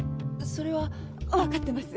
それは？分かってます。